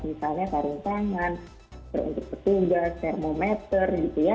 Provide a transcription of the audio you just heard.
misalnya sarung tangan untuk petugas termometer gitu ya